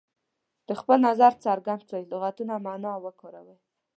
د خپل نظر څرګند کړئ لغتونه معنا او وکاروي.